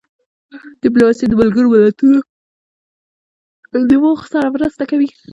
ډیپلوماسي د ملګرو ملتونو د موخو سره مرسته کوي.